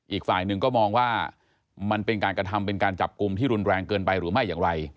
อีกฝ่ายหนึ่งก็มองว่ามันเป็นการกระทำเป็นการจับกลุ่มที่รุนแรงเกินไปหรือไม่อย่างไร